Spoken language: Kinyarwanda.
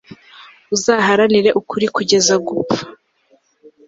uzaharanire ukuri kugeza gupfa